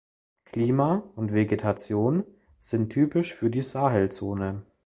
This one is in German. Klima und Vegetation sind typisch für die Sahelzone.